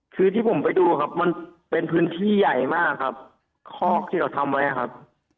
คือที่ผมไปดูครับมันเป็นพื้นที่ใหญ่มากครับคอกที่เขาทำไว้ครับ